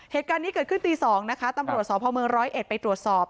เหตุการณ์นี้เกิดขึ้นตี๒นะคะตำรวจสพเมืองร้อยเอ็ดไปตรวจสอบ